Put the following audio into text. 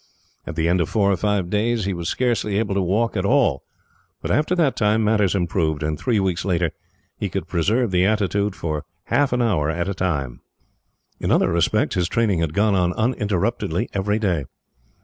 At the end of four or five days, he was scarcely able to walk at all, but after that time matters improved, and three weeks later he could preserve the attitude for half an hour at a time. In other respects, his training had gone on uninterruptedly every day.